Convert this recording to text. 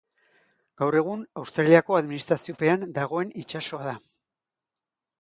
Gaur egun Australiako administraziopean dagoen itsasoa da.